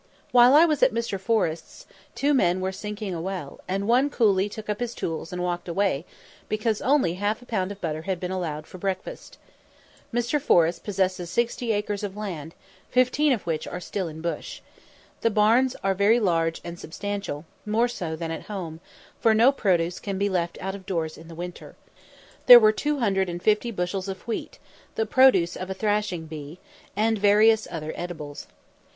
While I was at Mr. Forrest's, two men were sinking a well, and one coolly took up his tools and walked away because only half a pound of butter had been allowed for breakfast. Mr. Forrest possesses sixty acres of land, fifteen of which are still in bush. The barns are very large and substantial, more so than at home; for no produce can be left out of doors in the winter. There were two hundred and fifty bushels of wheat, the produce of a "thrashing bee," and various other edibles.